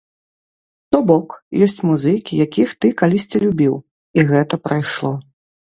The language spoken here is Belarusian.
То бок, ёсць музыкі, якіх ты калісьці любіў, і гэта прайшло.